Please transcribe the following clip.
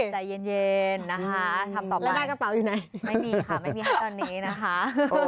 ใจเย็นนะคะทำต่อไปไม่มีค่ะไม่มีค่ะตอนนี้นะคะ